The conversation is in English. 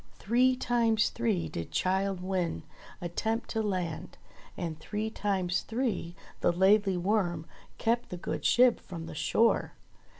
130 ENGLISH FAIRY TALES Three times three did Childe Wynde attempt to land, and three times three the Laidly Worm kept the good ship from the shore.